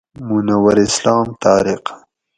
منور اسلام طارق